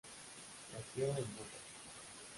Nació en Buga.